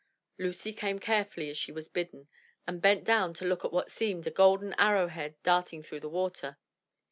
Lucy came carefully as she was bidden, and bent down to look at what seemed a golden arrow head dart ing through the water.